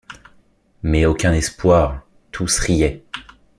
Mais aucun espoir ; tous riaient.